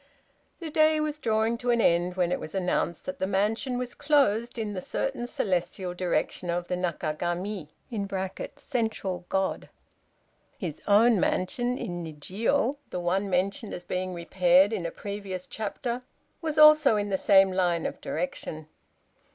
The day was drawing to an end when it was announced that the mansion was closed in the certain celestial direction of the Naka gami (central God). His own mansion in Nijiô (the one mentioned as being repaired in a previous chapter) was also in the same line of direction.